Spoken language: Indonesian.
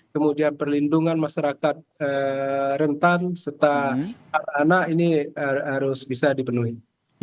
kemudian perlindungan masyarakat rentan serta anak anak ini harus bisa dipenuhi